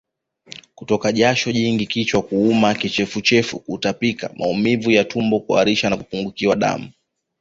Kutoka jasho jingi kichwa kuuma Kichefuchefu Kutapika Maumivu ya tumboKuharisha na kupungukiwa damu